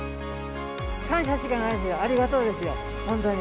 感謝しかないですよ、ありがとうですよ、本当に。